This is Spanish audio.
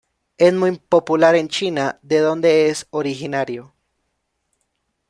Es muy popular en China, de donde es originario.